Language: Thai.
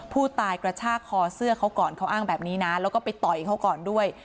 กระชากคอเสื้อเขาก่อนเขาอ้างแบบนี้นะแล้วก็ไปต่อยเขาก่อนด้วย